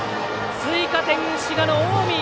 追加点、滋賀の近江！